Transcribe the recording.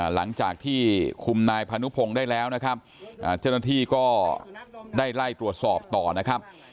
หลังจากที่คุมนายพานุพงศ์ได้แล้วนะครับเจ้าหน้าที่ก็ได้ไล่ตรวจสอบต่อนะครับ